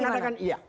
saya mengatakan iya